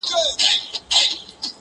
رویباری د بېګانه خلکو تراب کړم٫